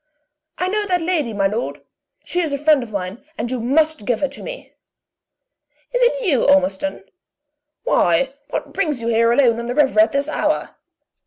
"I know that lady, my lord! She is a friend of mine, and you must give her to me!" "Is it you, Ormiston? Why what brings you here alone on the river, at this hour?"